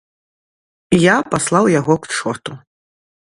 Я паслаў яго к чорту.